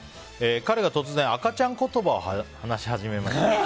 彼が突然赤ちゃん言葉を話し始めました。